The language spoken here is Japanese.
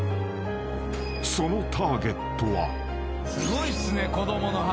［そのターゲットは］